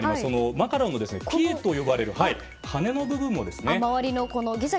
マカロンのピエと呼ばれる羽根の部分ですね。